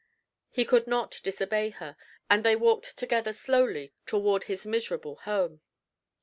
He could not disobey her, and they walked together slowly toward his miserable home.